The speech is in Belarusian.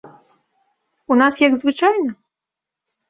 У нас як звычайна?